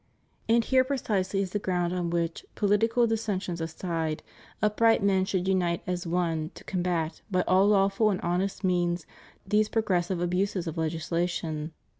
And here is precisely the ground on which, pohtical dissensions aside, upright men should unite as one to combat, by all lawful and honest means, these progressive abuses of legislation.